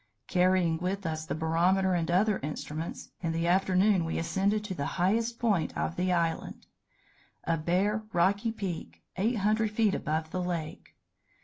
"Carrying with us the barometer and other instruments, in the afternoon we ascended to the highest point of the island a bare, rocky peak, 800 feet above the lake.